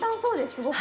すごく。